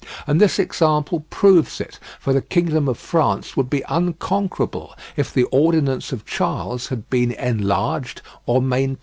And this example proves it, for the kingdom of France would be unconquerable if the ordinance of Charles had been enlarged or maintained.